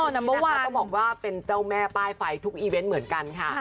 น้องยาย่าอุรสยาค่ะก็บอกว่าเป็นเจ้าแม่ป้ายไฟทุกอีเวนต์เหมือนกันค่ะ